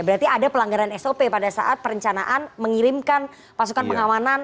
berarti ada pelanggaran sop pada saat perencanaan mengirimkan pasukan pengamanan